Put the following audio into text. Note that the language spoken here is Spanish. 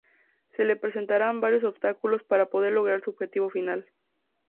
Se le presentarán varios obstáculos para poder lograr su objetivo final.